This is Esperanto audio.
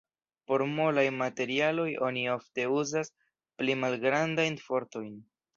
Por molaj materialoj oni ofte uzas pli malgrandajn fortojn.